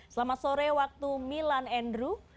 selamat sore waktu milan andrew